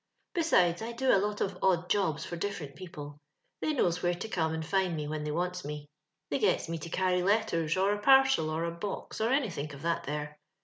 Besides, 1 do a lot of odd jobs for dif ferent people ; they knows where to come and find me when they wants me. They gets me to carry letters, or a parcel, or a box, or any think of that there.